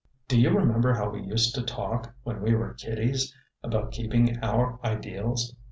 "Do you remember how we used to talk, when we were kiddies, about keeping our ideals?